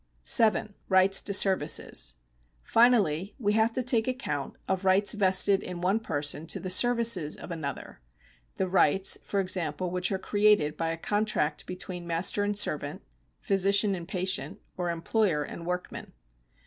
(7) Rights to services. — Finally we have to take account of rights vested in one person to the services of another : the rights, for example, which are created by a contract between master and servant, physician and patient, or employer and workman.